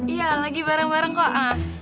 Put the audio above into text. iya lagi bareng bareng kok